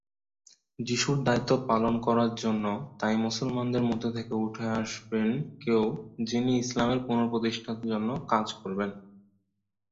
যীশুর দায়িত্ব পালন করার জন্য তাই মুসলমানদের মধ্য থেকে উঠে আসবেন কেউ যিনি ইসলামের পুনঃপ্রতিষ্ঠার জন্য কাজ করবেন।